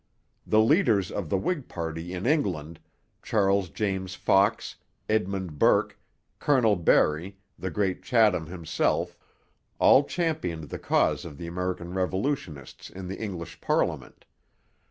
The leaders of the Whig party in England, Charles James Fox, Edmund Burke, Colonel Barre, the great Chatham himself, all championed the cause of the American revolutionists in the English parliament.